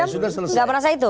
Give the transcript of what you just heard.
masa residen tidak merasa itu